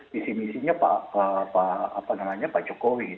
visi misinya pak jokowi